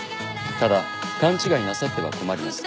ただ勘違いなさっては困ります。